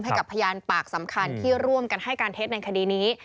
ให้กับพยานปากสำคัญที่ร่วมกันให้การเท็จในคดีนี้